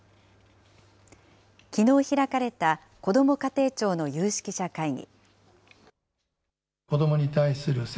きのう開かれたこども家庭庁の有識者会議。